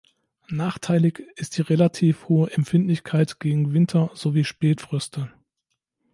Nachteilig ist die relativ hohe Empfindlichkeit gegen Winter- sowie Spätfröste.